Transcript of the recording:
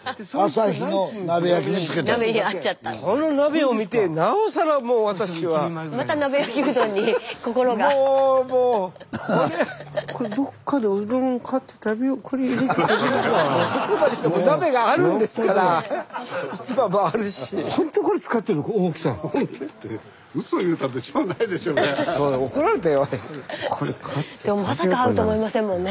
スタジオでもまさか会うと思いませんもんね